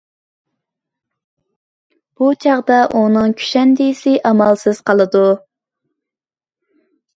بۇ چاغدا ئۇنىڭ كۈشەندىسى ئامالسىز قالىدۇ.